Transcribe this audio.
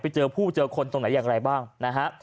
ไปเจอผู้เจอคนตรงไหนอย่างไรบ้างนะฮะ